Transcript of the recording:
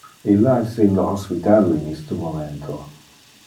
Illa es in le hospital in iste momento.